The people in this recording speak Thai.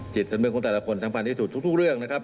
สำนวนของแต่ละคนสำคัญที่สุดทุกเรื่องนะครับ